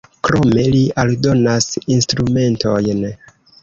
Krome li aldonas instrumentojn.